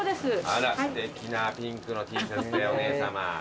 あらすてきなピンクのＴシャツでお姉さま。